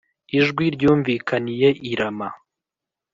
ijwi ryumvikaniye i Rama